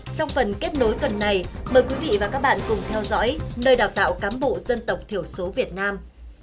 trong phần kết nối tuần này mời quý vị và các bạn cùng theo dõi nơi đào tạo cán bộ dân tộc thiểu số việt nam